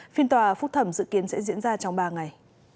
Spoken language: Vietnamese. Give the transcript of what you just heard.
phiên tòa phúc thẩm dự kiến sẽ diễn ra trong ba ngày